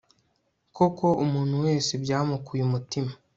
koko, umuntu wese byamukuye umutima